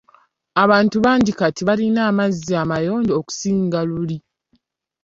Abantu bangi kati balina amazzi amayonjo okusinga luli.